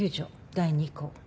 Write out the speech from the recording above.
第２項。